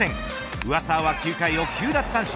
上沢は９回を９奪三振。